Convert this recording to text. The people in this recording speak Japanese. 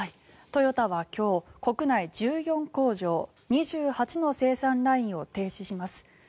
トヨタは今日国内１４工場２８の生産ラインを停止します。